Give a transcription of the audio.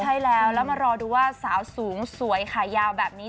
ใช่แล้วแล้วมารอดูว่าสาวสูงสวยขายาวแบบนี้